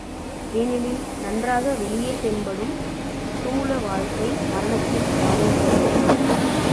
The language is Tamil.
ஏனெனில், நன்றாக வெளியே தென்படும் ஸ்தூல வாழ்க்கை மரணத்தில் தானே முடிகிறது!